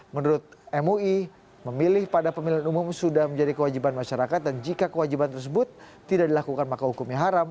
menurut mui memilih pada pemilihan umum sudah menjadi kewajiban masyarakat dan jika kewajiban tersebut tidak dilakukan maka hukumnya haram